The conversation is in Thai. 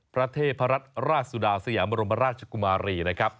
ประเทศภรรทราศุดาเสียบรรมฤราชกุมารีนะครับ